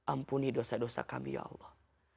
ampuni dosa dosa kami ya allah